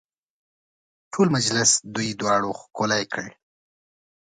ټول مجلس دوی دواړو ښکلی کړ.